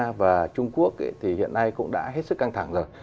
và trung quốc thì hiện nay cũng đã hết sức căng thẳng rồi